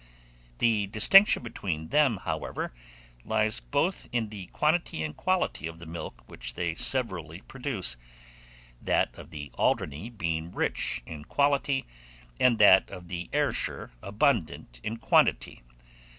The distinction between them, however, lies both in the quantity and quality of the milk which they severally produce; that of the Alderney being rich in quality, and that of the Ayrshire abundant in quantity.